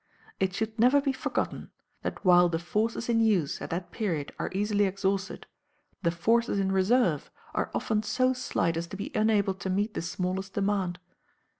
It should never be forgotten that while the "forces in use" at that period are easily exhausted, the "forces in reserve" are often so slight as to be unable to meet the smallest demand.